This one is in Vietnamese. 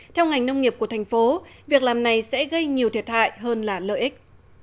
theo ngành nông nghiệp của thành phố việc làm này sẽ gây nhiều thiệt hại hơn là lợi ích